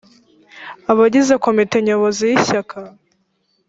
abagize komite nyobozi y’ishyaka